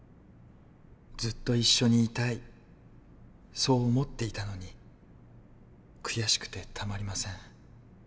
ずっと一緒にいたいそう思っていたのに悔しくてたまりません。